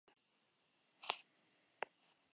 Aquí se encuentra la escuela particular El Farol.